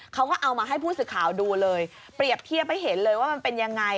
เขาก็เอามาให้ผู้สื่อข่าวดูเลยเปรียบเทียบให้เห็นเลยว่ามันเป็นยังไง